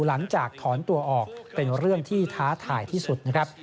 หลังจากถอนตัวออกเป็นเรื่องที่ท้าทายที่สุดนะครับ